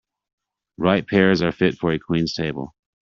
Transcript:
Ripe pears are fit for a queen's table.